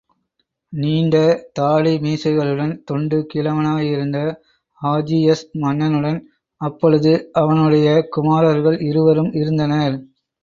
நீண்ட தாடி மீசைகளுடன், தொண்டு கிழவனாயிருந்த, ஆஜியஸ் மன்னனுடன் அப்பொழுது அவனுடைய குமாரர்கள் இருவரும் இருந்தனர்.